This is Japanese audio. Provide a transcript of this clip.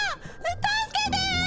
助けて！